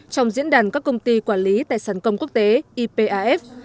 trong diễn đàn các công ty quản lý tài sản công quốc tế ipaf